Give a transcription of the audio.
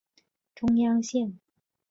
中央线